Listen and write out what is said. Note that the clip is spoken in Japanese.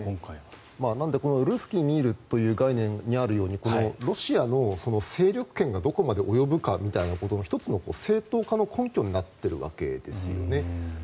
なのでルースキー・ミールという概念にあるようにロシアの勢力圏がどこまで及ぶかみたいなところの１つの正当化の根拠になっているわけですよね。